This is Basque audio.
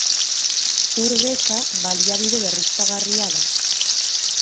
Ur geza baliabide berriztagarria da.